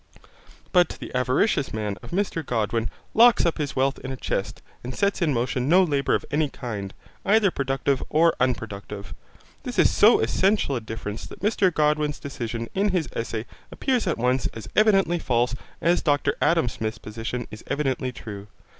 But the avaricious man of Mr Godwin locks up his wealth in a chest and sets in motion no labour of any kind, either productive or unproductive. This is so essential a difference that Mr Godwin's decision in his essay appears at once as evidently false as Dr Adam Smith's position is evidently true.